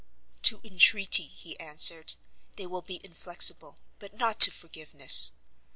"To entreaty," he answered, "they will be inflexible, but not to forgiveness.